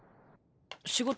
仕事？